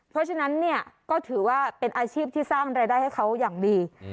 เพราะฉะนั้นเนี่ยก็ถือว่าเป็นอาชีพที่สร้างรายได้ให้เขาอย่างดี